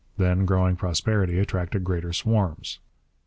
Then growing prosperity attracted greater swarms.